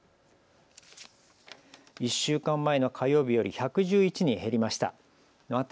１週間前の火曜日より１１１人減りました。